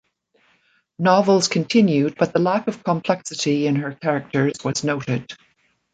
Novels continued but the lack of complexity in her characters was noted.